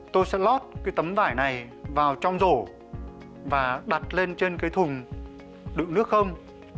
tôi sẽ lót cái tấm vải này vào trong rổ và đặt lên trên cái thùng đựng nước không